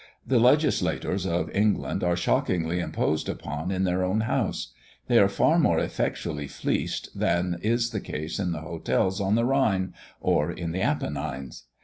The legislators of England are shockingly imposed upon in their own house; they are far more effectually fleeced than is the case in the hotels on the Rhine, or in the Apennines.